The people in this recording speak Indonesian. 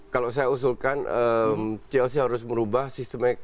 kalau saya usulkan chelsea harus merubah sistemik